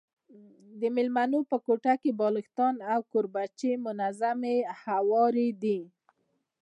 د مېلمنو په کوټه کي بالښتان او کوربچې منظم هواري دي.